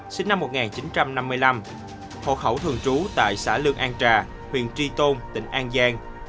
sinh năm một nghìn chín trăm năm mươi năm hộ khẩu thường trú tại xã lương an trà huyện tri tôn tỉnh an giang